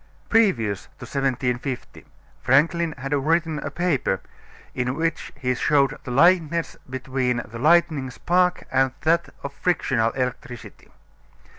Previous to 1750 Franklin had written a paper in which he showed the likeness between the lightning spark and that of frictional electricity.